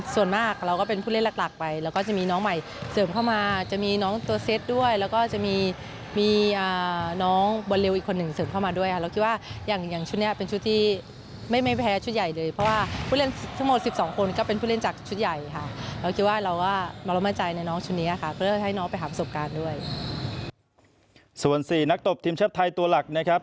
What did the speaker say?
ส่วนมากนักตบทีมชาติไทยตัวหลักนะครับ